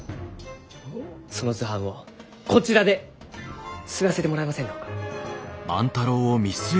その図版をこちらで刷らせてもらえませんろうか？